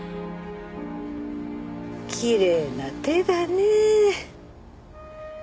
きれいな手だねぇ。